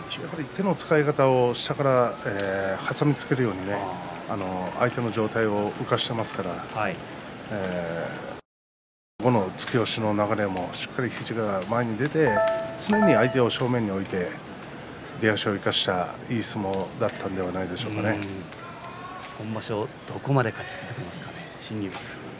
手の使い方を下から挟みつけるように相手の上体を浮かしていますからその後の突き押しの流れもしっかり膝が前に出て常に相手を正面に置いて出足を生かしたいい相撲だったのでは今場所どこまで勝ち続けますかね、新入幕。